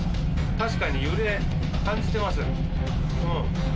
確かに揺れ感じてます。